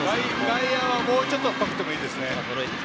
外野はもうちょっと遠くていいですね。